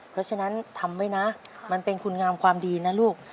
เพราะฉะนั้นทำไว้นะมันเป็นคุณงามความดีนะลูก